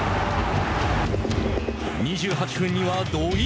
２８分には土居。